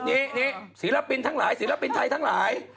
นี่ศิลปินทั้งหลายศิลปินไทยทั้งหลาย